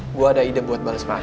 gue ada ide buat bales pangkat